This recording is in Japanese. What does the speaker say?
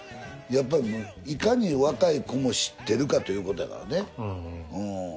やっぱりいかに若い子も知ってるかということやからね。